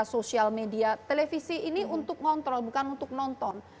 sosial media televisi ini untuk ngontrol bukan untuk nonton